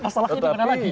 masalahnya dimana lagi